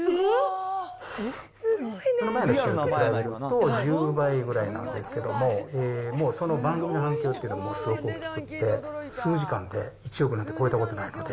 その前の週と比べると１０倍ぐらいなんですけれども、もうその番組の反響っていうのがすごく大きくて、数時間で１億なんて超えたことないので。